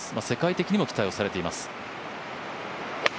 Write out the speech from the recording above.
世界的にも期待されています。